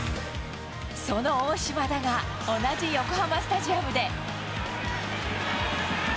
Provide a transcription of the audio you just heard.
その大島だが、同じ横浜スタジアムで。